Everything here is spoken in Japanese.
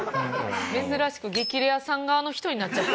珍しく激レアさん側の人になっちゃった。